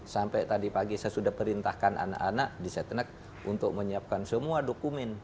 sampai tadi pagi saya sudah perintahkan anak anak di setnek untuk menyiapkan semua dokumen